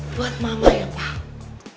buat mama ya pak